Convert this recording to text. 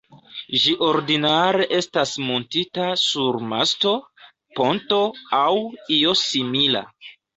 Ĝi ordinare estas muntita sur masto, ponto aŭ io simila.